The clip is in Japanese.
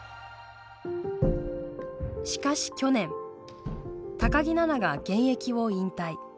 しかし去年木菜那が現役を引退。